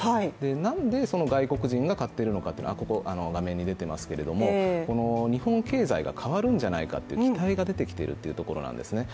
なんで外国人が買ってるのかってこの画面に出てますけど日本経済が変わるんじゃないかっていう期待が出てきているっていうことなんですね。